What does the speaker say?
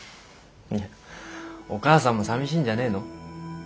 いやお母さんも寂しいんじゃねえの？